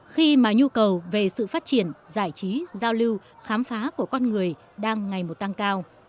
khi mà nhu cầu về sự phát triển giải trí giao lưu khám phá của con người đang ngày một tăng cao